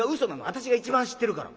私が一番知ってるから。